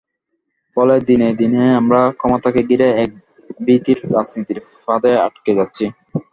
ফলে দিনে দিনে আমরা ক্ষমতাকে ঘিরে এক ভীতির রাজনীতির ফাঁদে আটকে যাচ্ছি।